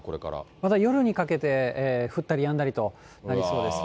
まだ夜にかけて降ったりやんだりとなりそうです。